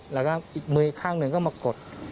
แล้วก็อีกมืออีกข้างหนึ่งก็มากด